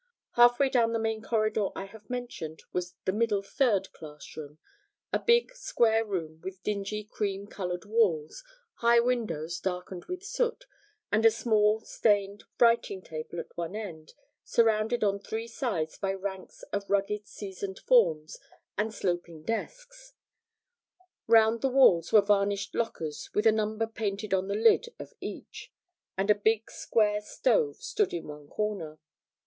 Halfway down the main corridor I have mentioned was the 'Middle Third' class room, a big square room with dingy cream coloured walls, high windows darkened with soot, and a small stained writing table at one end, surrounded on three sides by ranks of rugged seasoned forms and sloping desks; round the walls were varnished lockers with a number painted on the lid of each, and a big square stove stood in one corner.